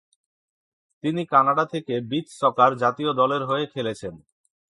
তিনি কানাডা থেকে beach soccer জাতীয় দলের হয়ে খেলেছেন।